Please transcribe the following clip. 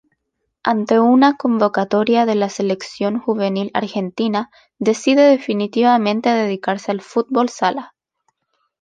Ante una convocatoria de la Selección juvenil argentina decide definitivamente dedicarse al fútbol sala.